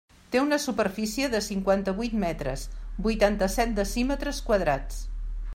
Té una superfície de cinquanta-vuit metres, vuitanta-set decímetres quadrats.